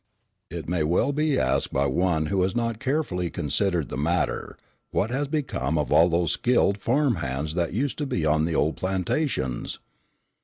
It may well be asked by one who has not carefully considered the matter: "What has become of all those skilled farm hands that used to be on the old plantations?